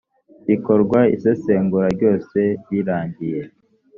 rikorwa isesengura ryose rirangiye